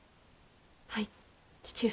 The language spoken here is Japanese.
はい、父上。